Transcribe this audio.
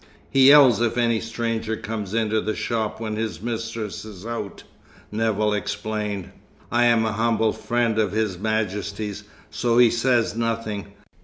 "He yells if any stranger comes into the shop when his mistress is out," Nevill explained. "I am an humble friend of His Majesty's, so he says nothing.